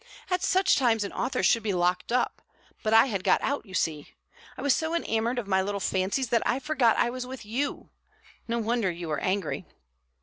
At such times an author should be locked up; but I had got out, you see. I was so enamoured of my little fancies that I forgot I was with you. No wonder you were angry."